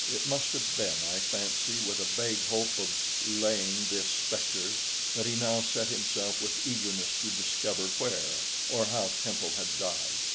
It must have been, I fancy, with a vague hope of "laying" this spectre that he now set himself with eagerness to discover where or how Temple had died.